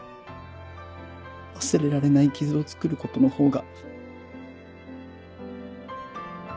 忘れられない傷をつくることの方が。